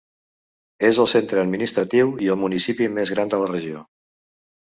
És el centre administratiu i el municipi més gran de la regió.